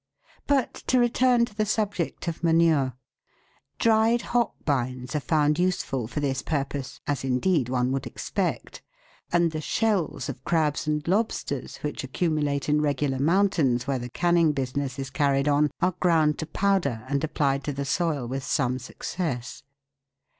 But to return to the subject of manure. Dried hop 300 THE WORLDS LUMBER ROOM. bines are found useful for this purpose, as indeed one would expect, and the " shells " of crabs and lobsters, which accu mulate in regular mountains where the canning business is carried on, are ground to powder and applied to the soil with some success.